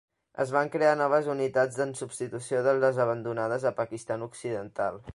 Es van crear noves unitats en substitució de les abandonades a Pakistan Occidental.